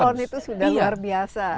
salon itu sudah luar biasa